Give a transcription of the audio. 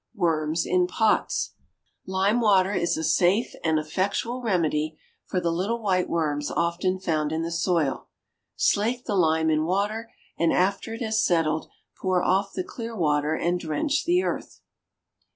WORMS IN POTS. Lime water is a safe and effectual remedy for the little white worms often found in the soil. Slake the lime in water and after it has settled, pour off the clear water and drench the earth.